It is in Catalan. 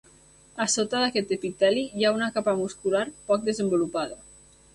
A sota aquest epiteli hi ha una capa muscular poc desenvolupada.